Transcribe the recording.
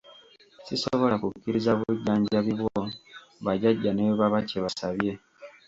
Sisobola kukkiriza bujjanjabi bwo bajjajja ne bwe baba kye basabye.